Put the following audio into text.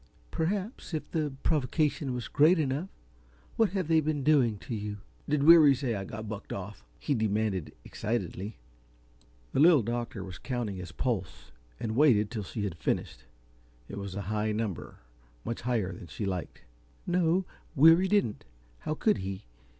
"Perhaps, if the provocation was great enough. What have they been doing to you?" "Did Weary say I got bucked off?" he demanded, excitedly. The Little Doctor was counting his pulse, and waited till she had finished. It was a high number much higher than she liked. "No, Weary didn't. How could he?